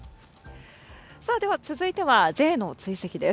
続いてはＪの追跡です。